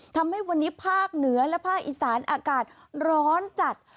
ทำให้วันนี้ภาคเหนือและภาคอีสานอากาศร้อนจัด